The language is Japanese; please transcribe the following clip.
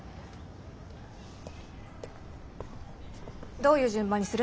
どういう順番にする？